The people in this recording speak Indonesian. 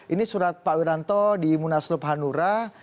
ini surat pak wiranto di munaslup hanura